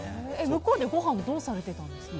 向こうでごはんはどうされてたんですか？